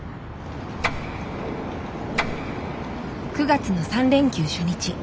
９月の３連休初日。